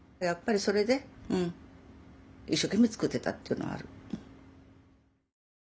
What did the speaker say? やっぱりそれで一生懸命作ってたっていうのはある。